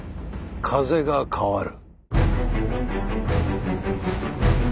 風が変わる。